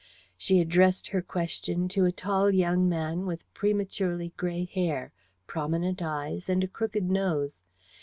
She addressed her question to a tall young man with prematurely grey hair, prominent eyes, and a crooked nose.